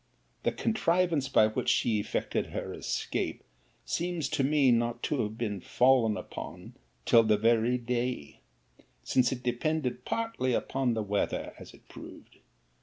The contrivance by which she effected her escape seems to me not to have been fallen upon till the very day; since it depended partly upon the weather, as it proved.